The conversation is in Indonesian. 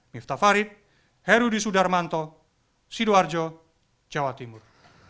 miftah farid herudi sudarmanto sidoarjo jawa timur